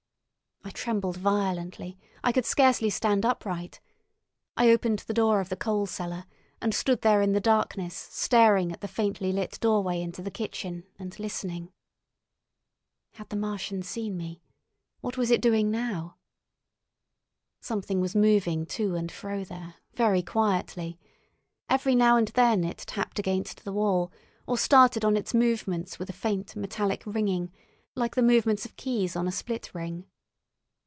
I trembled violently; I could scarcely stand upright. I opened the door of the coal cellar, and stood there in the darkness staring at the faintly lit doorway into the kitchen, and listening. Had the Martian seen me? What was it doing now? Something was moving to and fro there, very quietly; every now and then it tapped against the wall, or started on its movements with a faint metallic ringing, like the movements of keys on a split ring.